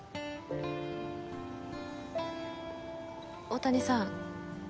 大谷さん